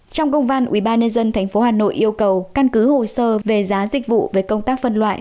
trong công văn ubnd tp hà nội yêu cầu căn cứ hồ sơ về giá dịch vụ về công tác phân loại